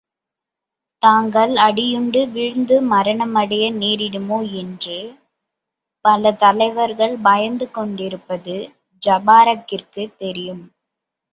தாங்கள் அடியுண்டு வீழ்ந்து மரணமடைய நேரிடுமோ என்று பல தலைவர்கள் பயந்து கொண்டிருப்பது ஜபாரக்கிற்குத் தெரியும்.